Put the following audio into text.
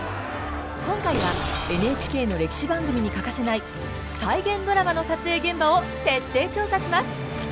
今回はＮＨＫの歴史番組に欠かせない再現ドラマの撮影現場を徹底調査します！